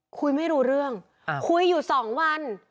คุยไม่รู้เรื่องคุยอยู่๒วัน